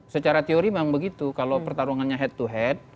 secara teori memang begitu kalau pertarungannya head to head